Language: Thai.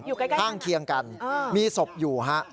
อยู่ใกล้ข้างเคียงกันมีศพอยู่ฮะ